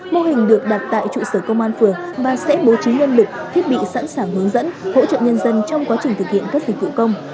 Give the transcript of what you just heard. mô hình được đặt tại trụ sở công an phường và sẽ bố trí nhân lực thiết bị sẵn sàng hướng dẫn hỗ trợ nhân dân trong quá trình thực hiện các dịch vụ công